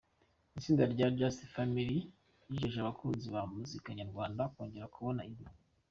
itsi nda rya Just Family yijeje abakunzi ba muzika nyarwanda kongera kubona iri